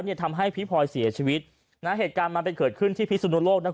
เนี่ยทำให้พี่พลอยเสียชีวิตนะฮะเหตุการณ์มันเป็นเกิดขึ้นที่พิสุนโลกนะครับ